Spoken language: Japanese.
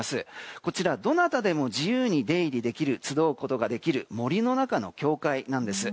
こちらどなたでも自由に出入りできる集うことができる森の中の教会なんです。